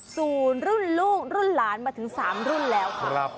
สู่รุ่นลูกรุ่นหลานมาถึง๓รุ่นแล้วค่ะ